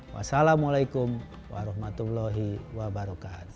wassalamualaikum warahmatullahi wabarakatuh